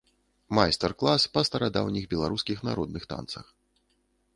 Майстар-клас па старадаўніх беларускіх народных танцах.